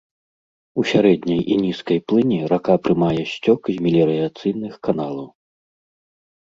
У сярэдняй і нізкай плыні рака прымае сцёк з меліярацыйных каналаў.